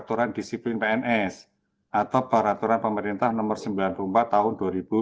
peraturan disiplin pns atau peraturan pemerintah nomor sembilan puluh empat tahun dua ribu dua puluh